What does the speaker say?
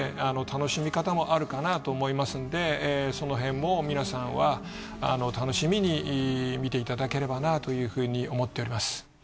楽しみ方もあるかなと思いますんでそのへんも皆さんは楽しみに見ていただければなというふうに思っております。